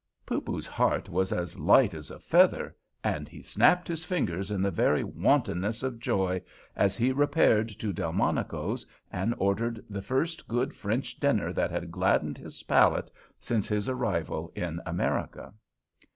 Poopoo's heart was as light as a feather, and he snapped his fingers in the very wantonness of joy as he repaired to Delmonico's, and ordered the first good French dinner that had gladdened his palate since his arrival in America.